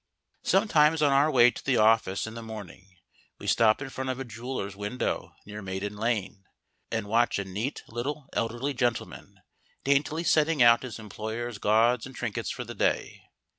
Sometimes on our way to the office in the morning we stop in front of a jeweller's window near Maiden Lane and watch a neat little elderly gentleman daintily setting out his employer's gauds and trinkets for the day.